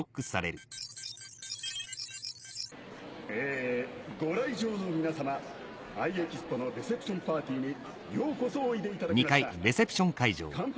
えご来場の皆様Ｉ・エキスポのレセプションパーティーにようこそおいでいただきました。